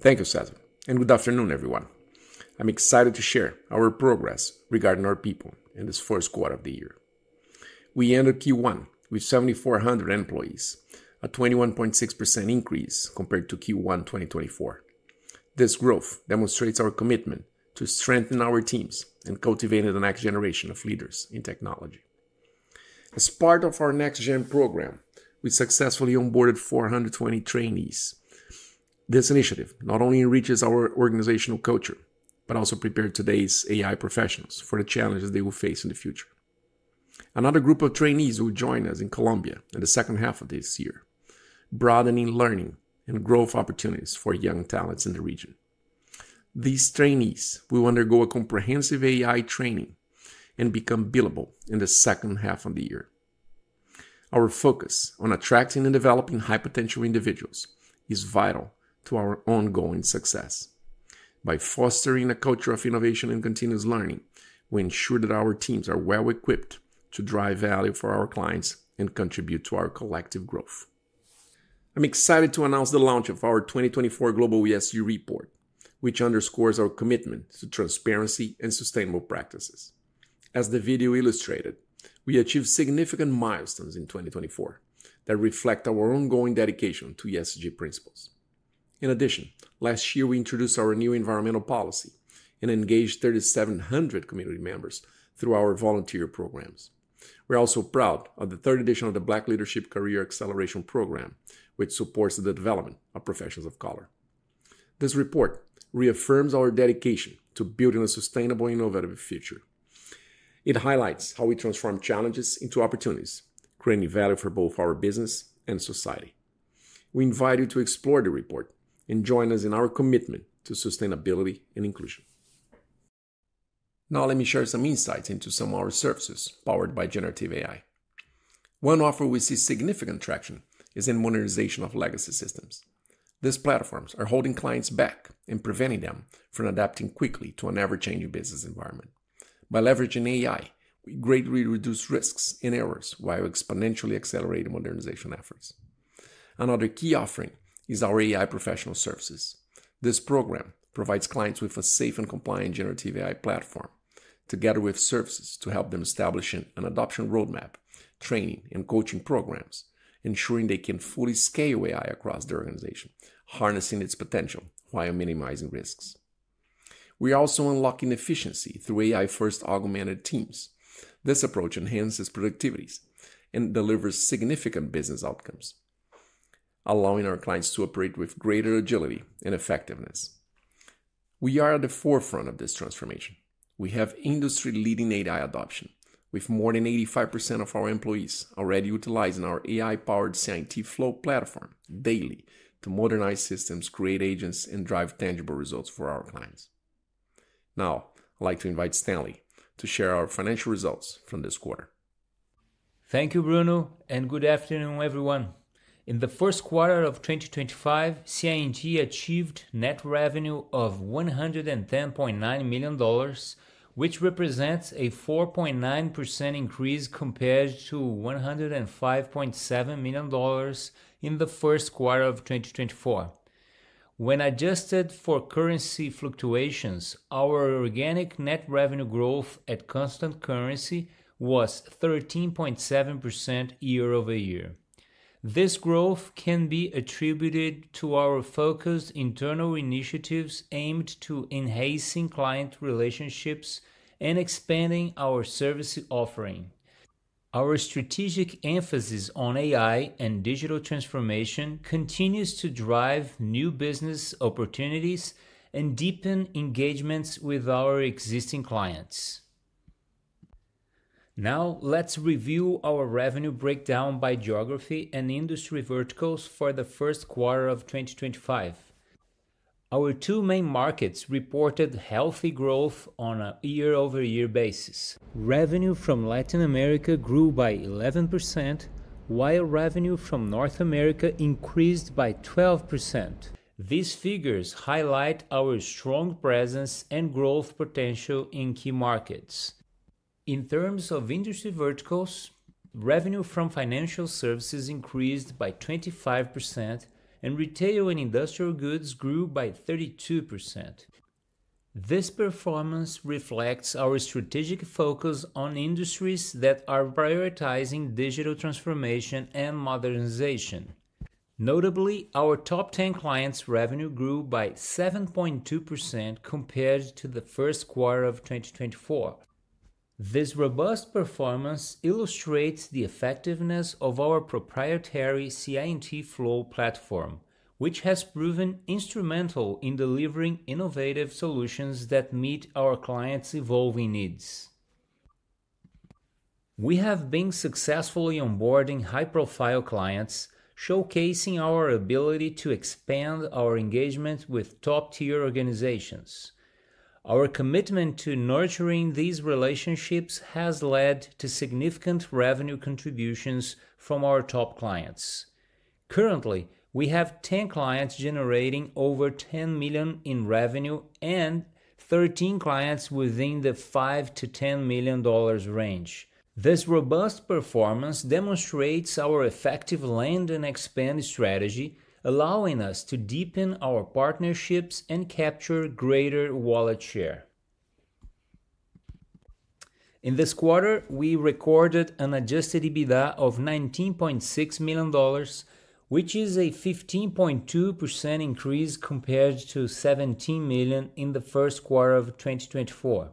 Thank you, Cesar, and good afternoon, everyone. I'm excited to share our progress regarding our people in this first quarter of the year. We entered Q1 with 7,400 employees, a 21.6% increase compared to Q1 2024. This growth demonstrates our commitment to strengthen our teams and cultivate the next generation of leaders in technology. As part of our NextGen program, we successfully onboarded 420 trainees. This initiative not only enriches our organizational culture, but also prepares today's AI professionals for the challenges they will face in the future. Another group of trainees will join us in Colombia in the second half of this year, broadening learning and growth opportunities for young talents in the region. These trainees will undergo comprehensive AI training and become billable in the second half of the year. Our focus on attracting and developing high-potential individuals is vital to our ongoing success. By fostering a culture of innovation and continuous learning, we ensure that our teams are well-equipped to drive value for our clients and contribute to our collective growth. I'm excited to announce the launch of our 2024 Global ESG Report, which underscores our commitment to transparency and sustainable practices. As the video illustrated, we achieved significant milestones in 2024 that reflect our ongoing dedication to ESG principles. In addition, last year, we introduced our new environmental policy and engaged 3,700 community members through our volunteer programs. We're also proud of the third edition of the Black Leadership Career Acceleration Program, which supports the development of professionals of color. This report reaffirms our dedication to building a sustainable, innovative future. It highlights how we transform challenges into opportunities, creating value for both our business and society. We invite you to explore the report and join us in our commitment to sustainability and inclusion. Now, let me share some insights into some of our services powered by generative AI. One offer we see significant traction is in modernization of legacy systems. These platforms are holding clients back and preventing them from adapting quickly to an ever-changing business environment. By leveraging AI, we greatly reduce risks and errors while exponentially accelerating modernization efforts. Another key offering is our AI professional services. This program provides clients with a safe and compliant generative AI platform, together with services to help them establish an adoption roadmap, training, and coaching programs, ensuring they can fully scale AI across the organization, harnessing its potential while minimizing risks. We are also unlocking efficiency through AI-first augmented teams. This approach enhances productivity and delivers significant business outcomes, allowing our clients to operate with greater agility and effectiveness. We are at the forefront of this transformation. We have industry-leading AI adoption, with more than 85% of our employees already utilizing our AI-powered CI&T Flow platform daily to modernize systems, create agents, and drive tangible results for our clients. Now, I'd like to invite Stanley to share our financial results from this quarter. Thank you, Bruno, and good afternoon, everyone. In the first quarter of 2025, CI&T achieved net revenue of $110.9 million, which represents a 4.9% increase compared to $105.7 million in the first quarter of 2024. When adjusted for currency fluctuations, our organic net revenue growth at constant currency was 13.7% year-over-year. This growth can be attributed to our focused internal initiatives aimed at enhancing client relationships and expanding our service offering. Our strategic emphasis on AI and digital transformation continues to drive new business opportunities and deepen engagements with our existing clients. Now, let's review our revenue breakdown by geography and industry verticals for the first quarter of 2025. Our two main markets reported healthy growth on a year-over-year basis. Revenue from Latin America grew by 11%, while revenue from North America increased by 12%. These figures highlight our strong presence and growth potential in key markets. In terms of industry verticals, revenue from financial services increased by 25%, and retail and industrial goods grew by 32%. This performance reflects our strategic focus on industries that are prioritizing digital transformation and modernization. Notably, our top 10 clients' revenue grew by 7.2% compared to the first quarter of 2024. This robust performance illustrates the effectiveness of our proprietary CI&T Flow platform, which has proven instrumental in delivering innovative solutions that meet our clients' evolving needs. We have been successfully onboarding high-profile clients, showcasing our ability to expand our engagement with top-tier organizations. Our commitment to nurturing these relationships has led to significant revenue contributions from our top clients. Currently, we have 10 clients generating over $10 million in revenue and 13 clients within the $5-$10 million range. This robust performance demonstrates our effective land-and-expand strategy, allowing us to deepen our partnerships and capture greater wallet share. In this quarter, we recorded an adjusted EBITDA of $19.6 million, which is a 15.2% increase compared to $17 million in the first quarter of 2024.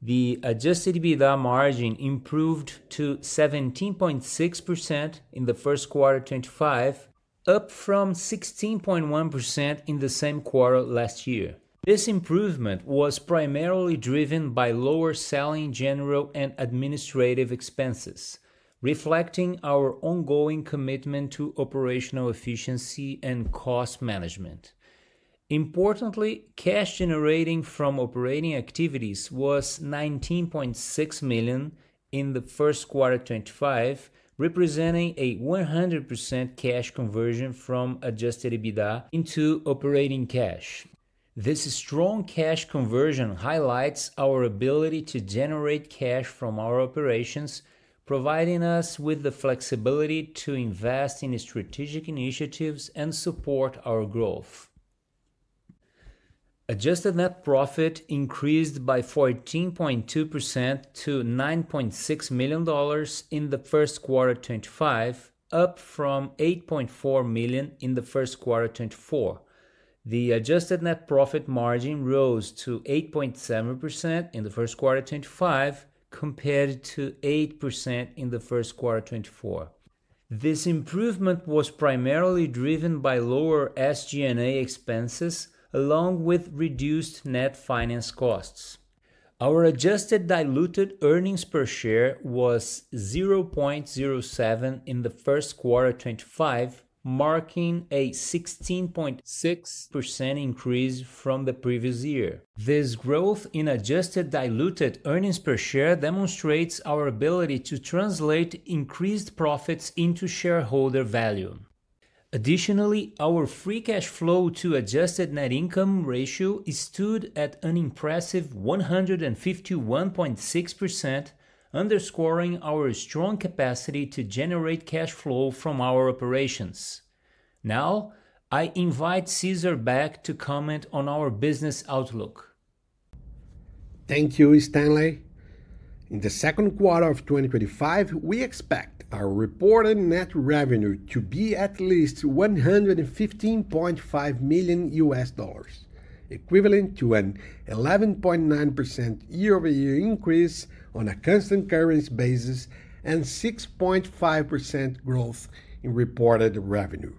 The adjusted EBITDA margin improved to 17.6% in the first quarter of 2025, up from 16.1% in the same quarter last year. This improvement was primarily driven by lower selling, general, and administrative expenses, reflecting our ongoing commitment to operational efficiency and cost management. Importantly, cash generated from operating activities was $19.6 million in the first quarter of 2025, representing a 100% cash conversion from adjusted EBITDA into operating cash. This strong cash conversion highlights our ability to generate cash from our operations, providing us with the flexibility to invest in strategic initiatives and support our growth. Adjusted net profit increased by 14.2% to $9.6 million in the first quarter of 2025, up from $8.4 million in the first quarter of 2024. The adjusted net profit margin rose to 8.7% in the first quarter of 2025, compared to 8% in the first quarter of 2024. This improvement was primarily driven by lower SG&A expenses, along with reduced net finance costs. Our adjusted diluted earnings per share was $0.07 in the first quarter of 2025, marking a 16.6% increase from the previous year. This growth in adjusted diluted earnings per share demonstrates our ability to translate increased profits into shareholder value. Additionally, our free cash flow to adjusted net income ratio stood at an impressive 151.6%, underscoring our strong capacity to generate cash flow from our operations. Now, I invite Cesar back to comment on our business outlook. Thank you, Stanley. In the second quarter of 2025, we expect our reported net revenue to be at least $115.5 million, equivalent to an 11.9% year-over-year increase on a constant currency basis and 6.5% growth in reported revenue.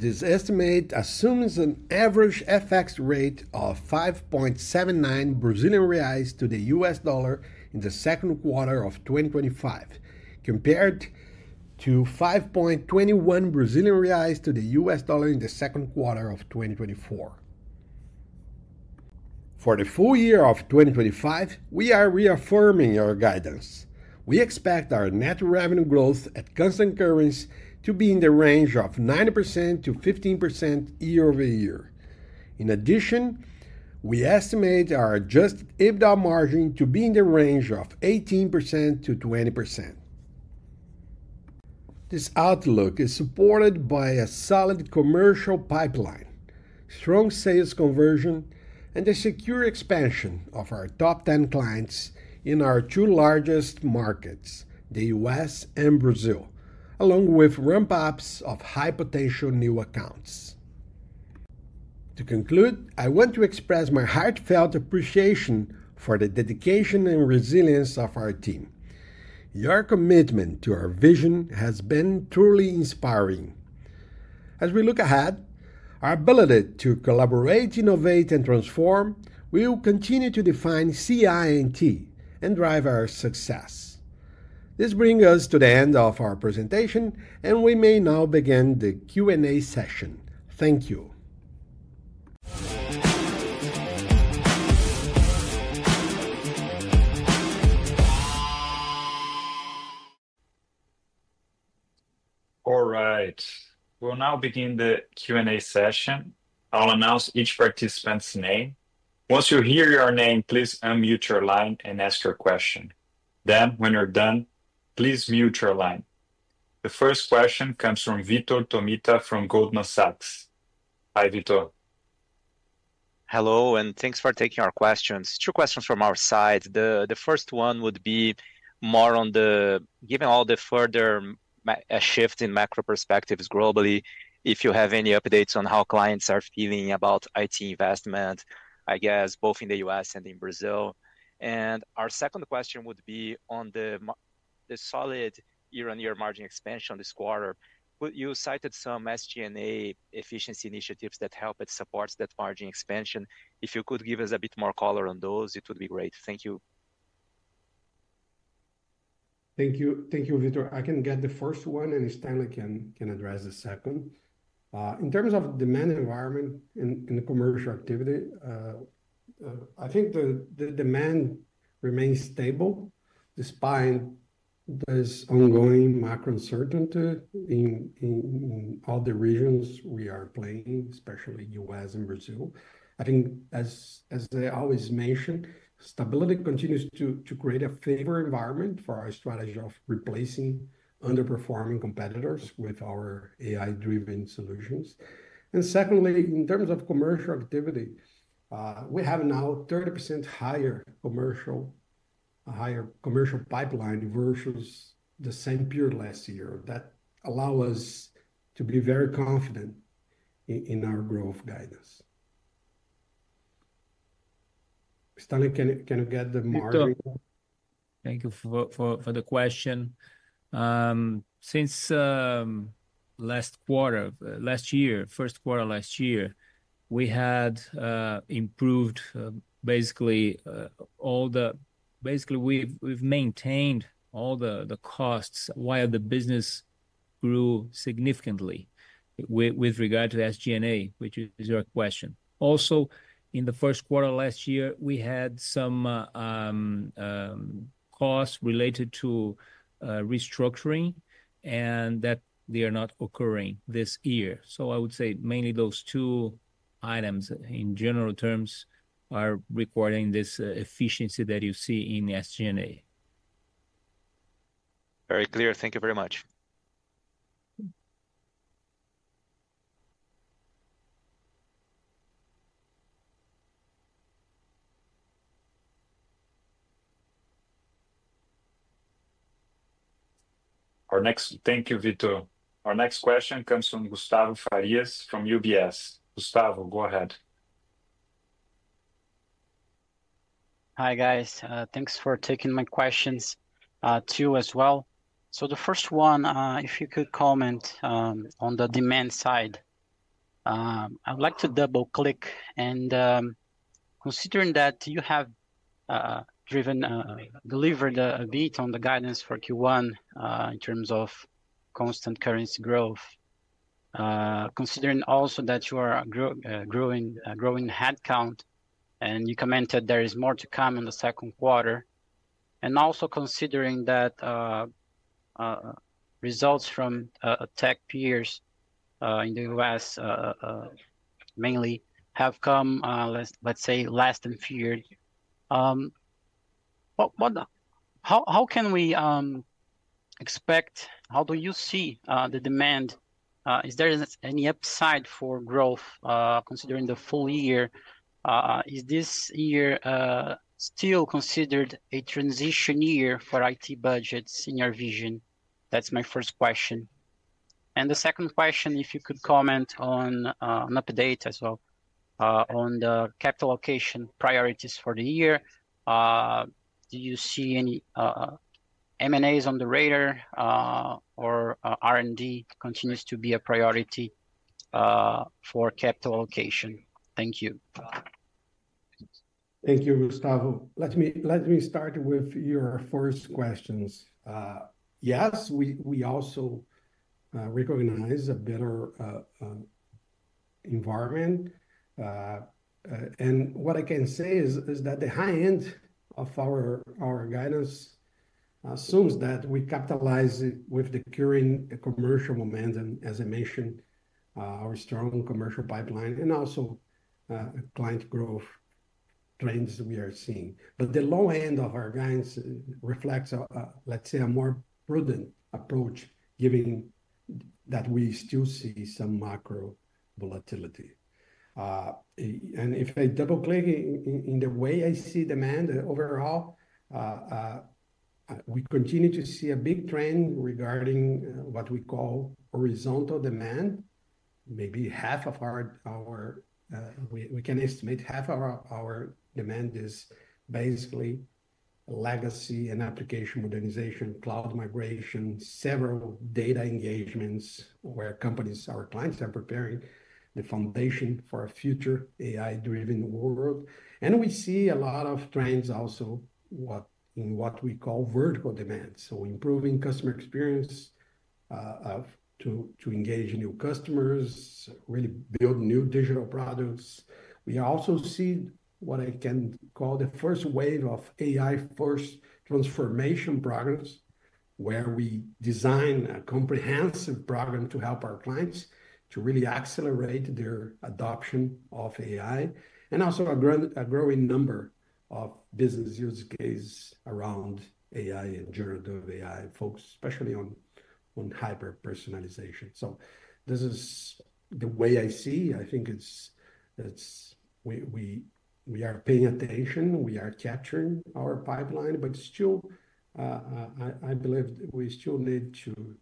This estimate assumes an average FX rate of 5.79 Brazilian reais to the US Dollar in the second quarter of 2025, compared to 5.21 Brazilian reais to the US Dollar in the second quarter of 2024. For the full year of 2025, we are reaffirming our guidance. We expect our net revenue growth at constant currency to be in the range of 9%-15% year-over-year. In addition, we estimate our adjusted EBITDA margin to be in the range of 18%-20%. This outlook is supported by a solid commercial pipeline, strong sales conversion, and the secure expansion of our top 10 clients in our two largest markets, the US and Brazil, along with ramp-ups of high-potential new accounts. To conclude, I want to express my heartfelt appreciation for the dedication and resilience of our team. Your commitment to our vision has been truly inspiring. As we look ahead, our ability to collaborate, innovate, and transform will continue to define CI&T and drive our success. This brings us to the end of our presentation, and we may now begin the Q&A session. Thank you. All right. We'll now begin the Q&A session. I'll announce each participant's name. Once you hear your name, please unmute your line and ask your question. Then, when you're done, please mute your line. The first question comes from Vitor Tomita from Goldman Sachs. Hi, Vitor. Hello, and thanks for taking our questions. Two questions from our side. The first one would be more on the, given all the further shift in macro perspectives globally, if you have any updates on how clients are feeling about IT investment, I guess, both in the US and in Brazil. Our second question would be on the solid year-on-year margin expansion this quarter. You cited some SG&A efficiency initiatives that help support that margin expansion. If you could give us a bit more color on those, it would be great. Thank you. Thank you, Vitor. I can get the first one, and Stanley can address the second. In terms of demand environment and commercial activity, I think the demand remains stable despite this ongoing macro uncertainty in all the regions we are playing, especially the US and Brazil. I think, as I always mention, stability continues to create a favorable environment for our strategy of replacing underperforming competitors with our AI-driven solutions. Secondly, in terms of commercial activity, we have now a 30% higher commercial pipeline versus the same period last year that allows us to be very confident in our growth guidance. Stanley, can you get the margin? Thank you for the question. Since last quarter, last year, first quarter last year, we had improved basically all the, basically, we have maintained all the costs while the business grew significantly with regard to SG&A, which is your question. Also, in the first quarter last year, we had some costs related to restructuring, and that they are not occurring this year. I would say mainly those two items, in general terms, are requiring this efficiency that you see in SG&A. Very clear. Thank you very much. Thank you, Vitor. Our next question comes from Gustavo Farias from UBS. Gustavo, go ahead. Hi, guys. Thanks for taking my questions too as well. The first one, if you could comment on the demand side, I would like to double-click. Considering that you have driven, delivered a beat on the guidance for Q1 in terms of constant currency growth, considering also that you are growing headcount, and you commented there is more to come in the second quarter, and also considering that results from tech peers in the US mainly have come, let's say, less than feared, how can we expect, how do you see the demand? Is there any upside for growth considering the full year? Is this year still considered a transition year for IT budgets in your vision? That is my first question. The second question, if you could comment on an update as well on the capital allocation priorities for the year. Do you see any M&As on the radar or R&D continues to be a priority for capital allocation? Thank you. Thank you, Gustavo. Let me start with your first questions. Yes, we also recognize a better environment. What I can say is that the high end of our guidance assumes that we capitalize with the current commercial momentum, as I mentioned, our strong commercial pipeline, and also client growth trends we are seeing. The low end of our guidance reflects, let's say, a more prudent approach, given that we still see some macro volatility. If I double-click in the way I see demand overall, we continue to see a big trend regarding what we call horizontal demand. Maybe half of our, we can estimate half of our demand is basically legacy and application modernization, cloud migration, several data engagements where companies, our clients are preparing the foundation for a future AI-driven world. We see a lot of trends also in what we call vertical demand. Improving customer experience to engage new customers, really build new digital products. We also see what I can call the first wave of AI-first transformation programs where we design a comprehensive program to help our clients to really accelerate their adoption of AI and also a growing number of business use cases around AI and generative AI folks, especially on hyper-personalization. This is the way I see. I think we are paying attention. We are capturing our pipeline, but still, I believe we still need to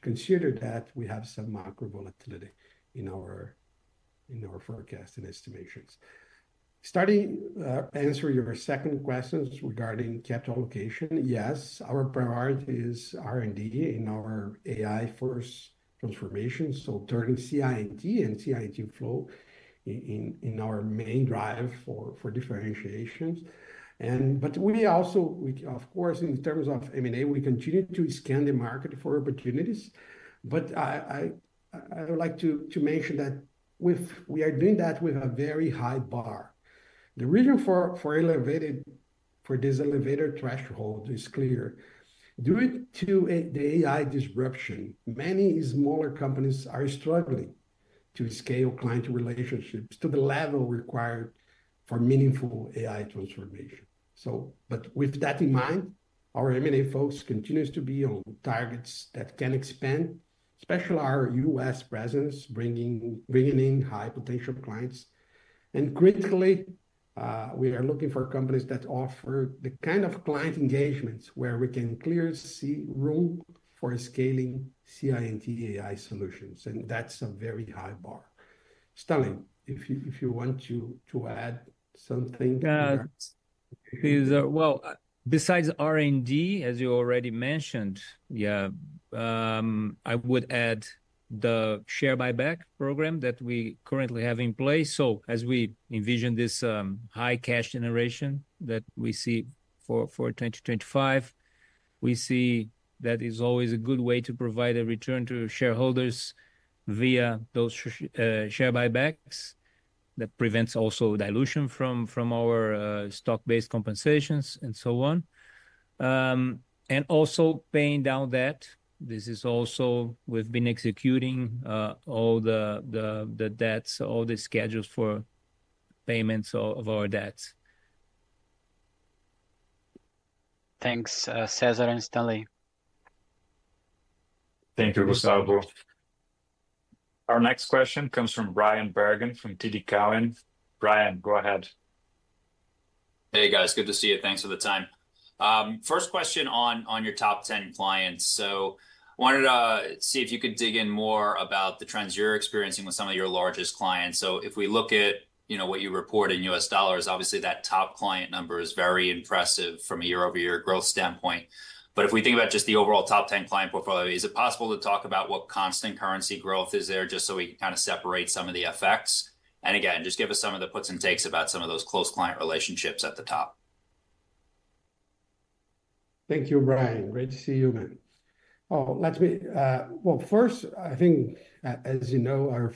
consider that we have some macro volatility in our forecast and estimations. Starting to answer your second question regarding capital allocation, yes, our priority is R&D in our AI-first transformation. Turning CI&T and CI&T Flow in our main drive for differentiation. We also, of course, in terms of M&A, continue to scan the market for opportunities. I would like to mention that we are doing that with a very high bar. The reason for this elevated threshold is clear. Due to the AI disruption, many smaller companies are struggling to scale client relationships to the level required for meaningful AI transformation. With that in mind, our M&A folks continue to be on targets that can expand, especially our US presence, bringing in high-potential clients. Critically, we are looking for companies that offer the kind of client engagements where we can clearly see room for scaling CI&T AI solutions. That is a very high bar. Stanley, if you want to add something. Besides R&D, as you already mentioned, yeah, I would add the share buyback program that we currently have in place. As we envision this high cash generation that we see for 2025, we see that it's always a good way to provide a return to shareholders via those share buybacks that prevents also dilution from our stock-based compensations and so on. Also paying down debt. This is also we've been executing all the debts, all the schedules for payments of our debts. Thanks, Cesar and Stanley. Thank you, Gustavo. Our next question comes from Brian Bergin from TD Cowen. Brian, go ahead. Hey, guys. Good to see you. Thanks for the time. First question on your top 10 clients. I wanted to see if you could dig in more about the trends you're experiencing with some of your largest clients. If we look at what you report in US dollars, obviously that top client number is very impressive from a year-over-year growth standpoint. If we think about just the overall top 10 client portfolio, is it possible to talk about what constant currency growth is there just so we can kind of separate some of the effects? Again, just give us some of the puts and takes about some of those close client relationships at the top. Thank you, Brian. Great to see you again. First, I think, as you know, our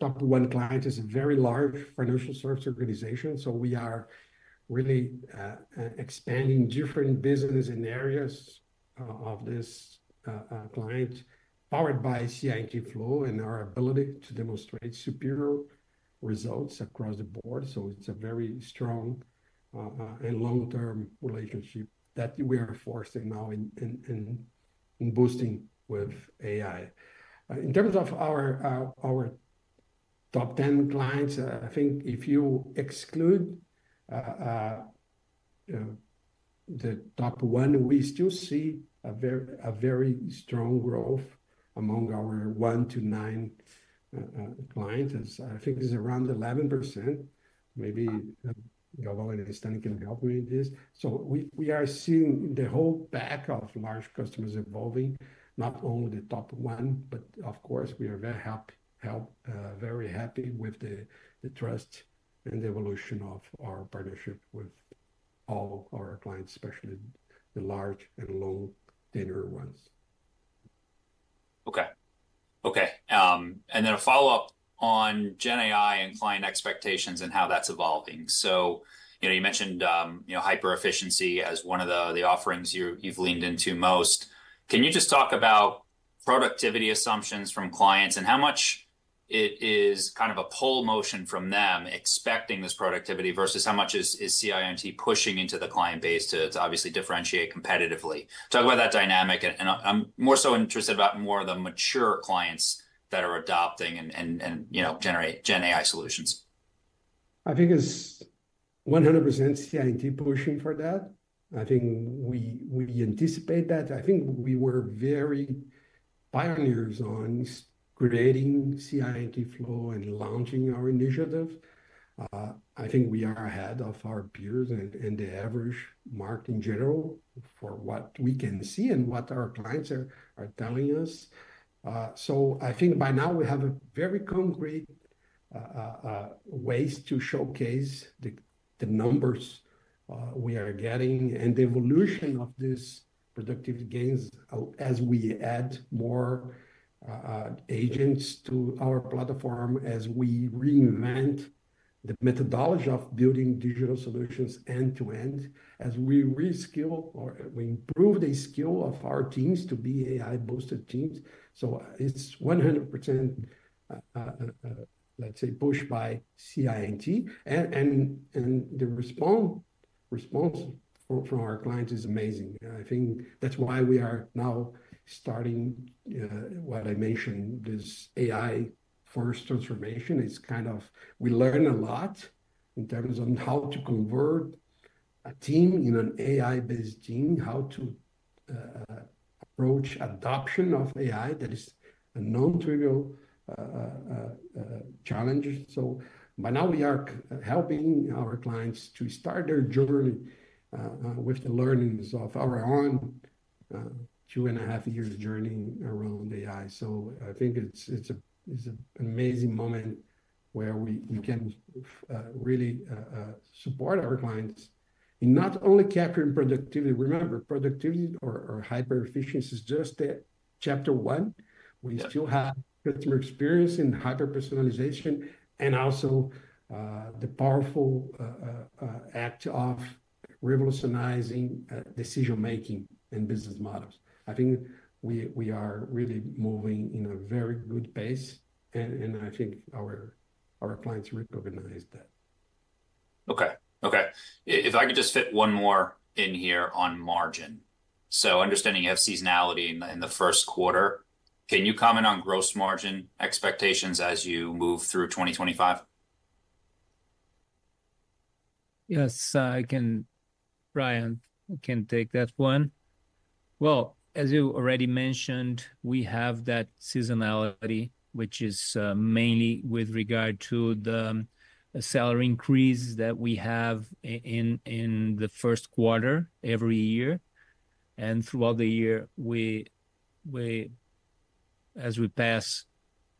top one client is a very large financial service organization. We are really expanding different businesses in areas of this client powered by CI&T Flow and our ability to demonstrate superior results across the board. It is a very strong and long-term relationship that we are fostering now and boosting with AI. In terms of our top 10 clients, I think if you exclude the top one, we still see very strong growth among our one to nine clients. I think it is around 11%. Maybe Gabo and Stanley can help me with this. We are seeing the whole back of large customers evolving, not only the top one, but of course, we are very happy with the trust and the evolution of our partnership with all our clients, especially the large and long-tail ones. Okay. Okay. And then a follow-up on GenAI and client expectations and how that's evolving. You mentioned hyper-efficiency as one of the offerings you've leaned into most. Can you just talk about productivity assumptions from clients and how much it is kind of a pull motion from them expecting this productivity versus how much is CI&T pushing into the client base to obviously differentiate competitively? Talk about that dynamic. I'm more so interested about more of the mature clients that are adopting and generating GenAI solutions. I think it's 100% CI&T pushing for that. I think we anticipate that. I think we were very pioneers on creating CI&T Flow and launching our initiative. I think we are ahead of our peers and the average market in general for what we can see and what our clients are telling us. I think by now we have very concrete ways to showcase the numbers we are getting and the evolution of these productive gains as we add more agents to our platform, as we reinvent the methodology of building digital solutions end-to-end, as we reskill or we improve the skill of our teams to be AI-boosted teams. It's 100%, let's say, pushed by CI&T. The response from our clients is amazing. I think that's why we are now starting what I mentioned, this AI-first transformation. It's kind of we learn a lot in terms of how to convert a team in an AI-based team, how to approach adoption of AI that is a non-trivial challenge. By now, we are helping our clients to start their journey with the learnings of our own two and a half years journeying around AI. I think it's an amazing moment where we can really support our clients in not only capturing productivity. Remember, productivity or hyper-efficiency is just chapter one. We still have customer experience in hyper-personalization and also the powerful act of revolutionizing decision-making and business models. I think we are really moving in a very good pace. I think our clients recognize that. Okay. Okay. If I could just fit one more in here on margin. So understanding you have seasonality in the first quarter, can you comment on gross margin expectations as you move through 2025? Yes, I can. Brian, I can take that one. As you already mentioned, we have that seasonality, which is mainly with regard to the salary increase that we have in the first quarter every year. Throughout the year, as we pass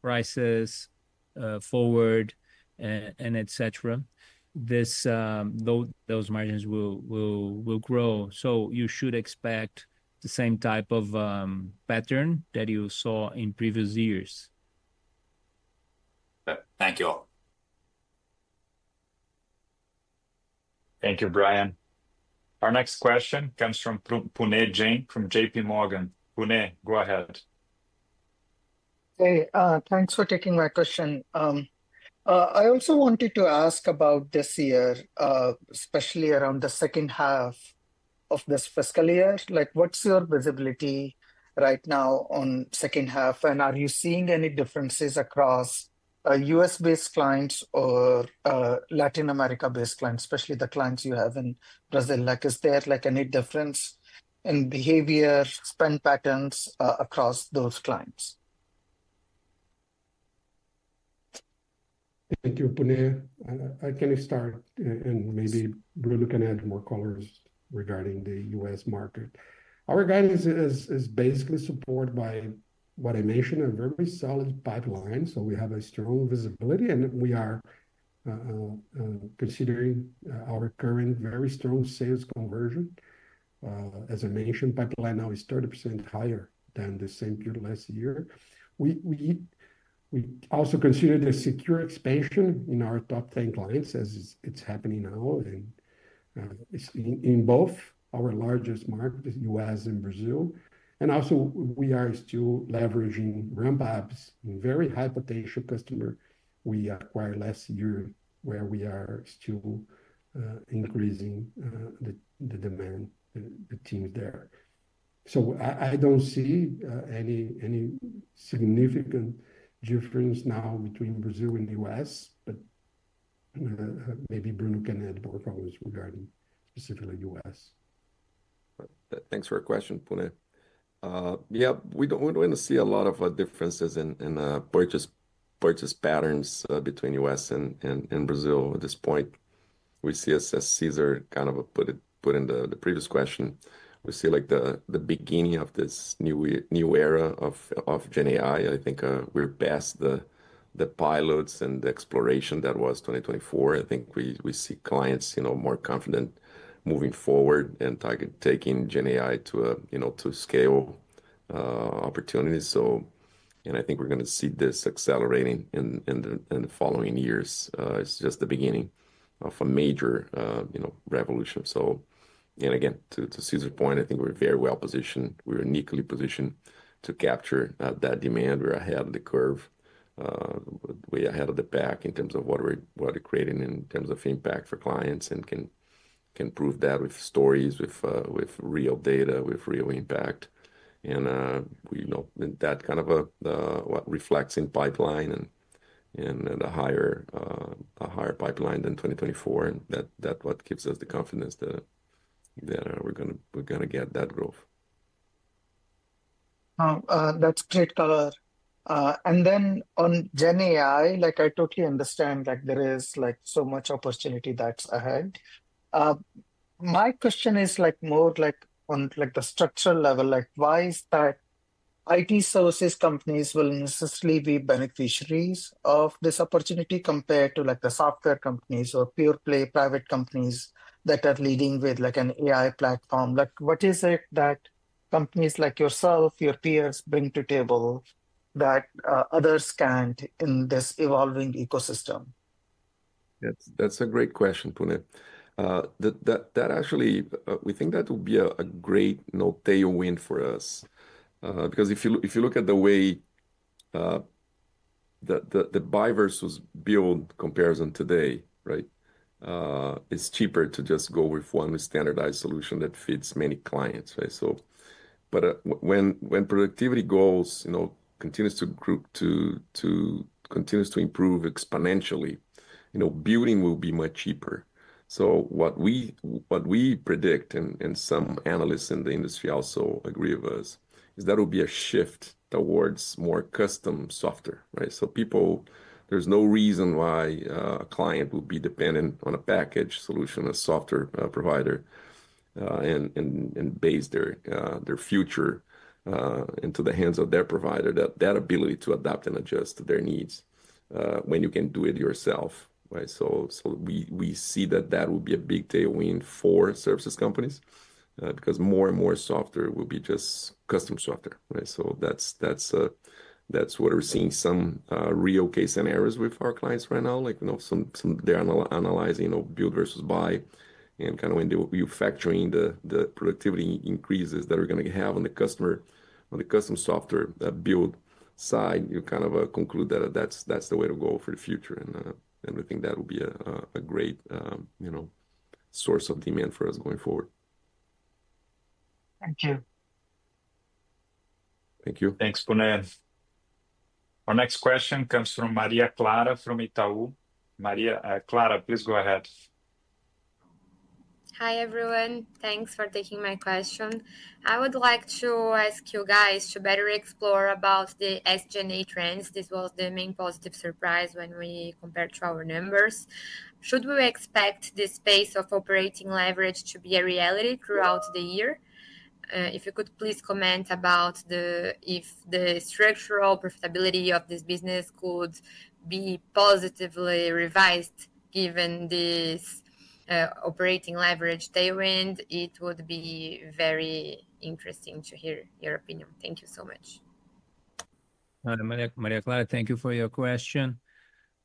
prices forward and etc., those margins will grow. You should expect the same type of pattern that you saw in previous years. Thank you all. Thank you, Brian. Our next question comes from Puneet Jain from JPMorgan. Pune, go ahead. Hey, thanks for taking my question. I also wanted to ask about this year, especially around the second half of this fiscal year. What's your visibility right now on second half? Are you seeing any differences across US-based clients or Latin America-based clients, especially the clients you have in Brazil? Is there any difference in behavior, spend patterns across those clients? Thank you, Puneet. I can start and maybe we're looking at more colors regarding the US market. Our guidance is basically supported by what I mentioned, a very solid pipeline. We have a strong visibility, and we are considering our current very strong sales conversion. As I mentioned, pipeline now is 30% higher than the same year last year. We also consider the secure expansion in our top 10 clients as it's happening now in both our largest markets, US and Brazil. We are still leveraging ramp-ups in very high-potential customers we acquired last year where we are still increasing the demand, the teams there. I don't see any significant difference now between Brazil and the US, but maybe Bruno can add more comments regarding specifically US. Thanks for your question, Puneet. Yeah, we don't want to see a lot of differences in purchase patterns between US and Brazil at this point. We see, as Cesar kind of put in the previous question, we see the beginning of this new era of GenAI. I think we're past the pilots and the exploration that was 2024. I think we see clients more confident moving forward and taking GenAI to scale opportunities. I think we're going to see this accelerating in the following years. It's just the beginning of a major revolution. Again, to Cesar's point, I think we're very well positioned. We're uniquely positioned to capture that demand. We're ahead of the curve. We're ahead of the pack in terms of what we're creating in terms of impact for clients and can prove that with stories, with real data, with real impact. That kind of reflects in pipeline and a higher pipeline than 2024. That is what gives us the confidence that we're going to get that growth. That's great color. Then on GenAI, I totally understand there is so much opportunity that's ahead. My question is more on the structural level. Why is it that IT services companies will necessarily be beneficiaries of this opportunity compared to the software companies or pure-play private companies that are leading with an AI platform? What is it that companies like yourself, your peers bring to the table that others can't in this evolving ecosystem? That's a great question, Puneet. That actually, we think that would be a great tailwind for us. Because if you look at the way the buy versus build comparison today, it's cheaper to just go with one standardized solution that fits many clients. But when productivity goals continue to improve exponentially, building will be much cheaper. What we predict, and some analysts in the industry also agree with us, is that there will be a shift towards more custom software. There is no reason why a client would be dependent on a package solution, a software provider, and base their future into the hands of their provider, that ability to adapt and adjust to their needs when you can do it yourself. We see that that would be a big tailwind for services companies because more and more software will be just custom software. That's what we're seeing, some real case scenarios with our clients right now. They're analyzing build versus buy. When you factor in the productivity increases that we're going to have on the customer software build side, you kind of conclude that that's the way to go for the future. We think that will be a great source of demand for us going forward. Thank you. Thank you. Thanks, Puneet. Our next question comes from Maria Clara from Itaú. Maria Clara, please go ahead. Hi everyone. Thanks for taking my question. I would like to ask you guys to better explore about the SG&A trends. This was the main positive surprise when we compared to our numbers. Should we expect this space of operating leverage to be a reality throughout the year? If you could please comment about if the structural profitability of this business could be positively revised given this operating leverage tailwind, it would be very interesting to hear your opinion. Thank you so much. Maria Clara, thank you for your question.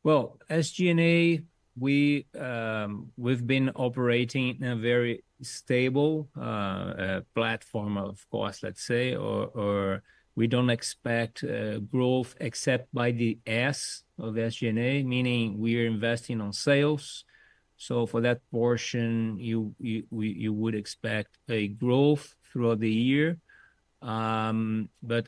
SG&A, we've been operating in a very stable platform, of course, let's say, or we don't expect growth except by the S of SG&A, meaning we are investing on sales. For that portion, you would expect a growth throughout the year.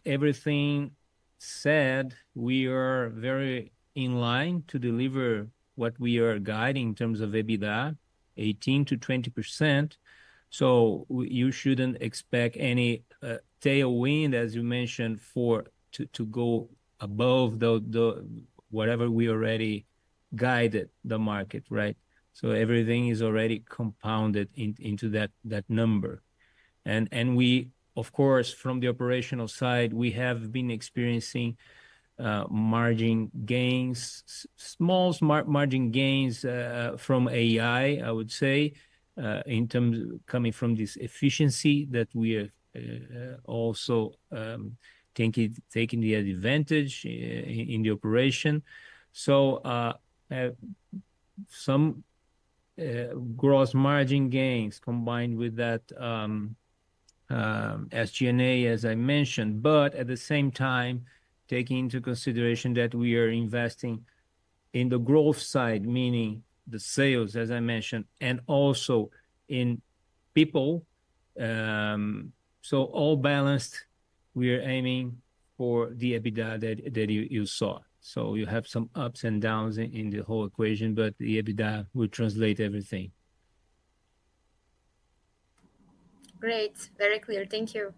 Everything said, we are very in line to deliver what we are guiding in terms of EBITDA, 18%-20%. You shouldn't expect any tailwind, as you mentioned, to go above whatever we already guided the market. Everything is already compounded into that number. From the operational side, we have been experiencing margin gains, small margin gains from AI, I would say, in terms of coming from this efficiency that we are also taking advantage in the operation. Some gross margin gains combined with that SG&A, as I mentioned, but at the same time, taking into consideration that we are investing in the growth side, meaning the sales, as I mentioned, and also in people. All balanced, we are aiming for the EBITDA that you saw. You have some ups and downs in the whole equation, but the EBITDA will translate everything. Great. Very clear. Thank you.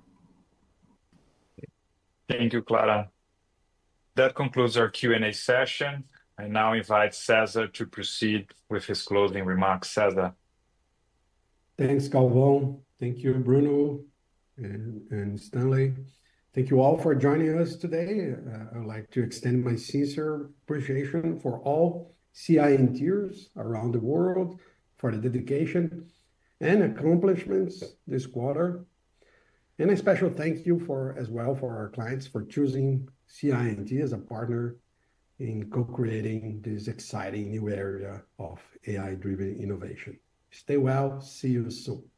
Thank you, Clara. That concludes our Q&A session. I now invite Cesar to proceed with his closing remarks. Cesar. Thanks, Galvão. Thank you, Bruno and Stanley. Thank you all for joining us today. I'd like to extend my sincere appreciation for all CI&Ters around the world for the dedication and accomplishments this quarter. A special thank you as well for our clients for choosing CI&T as a partner in co-creating this exciting new area of AI-driven innovation. Stay well. See you soon.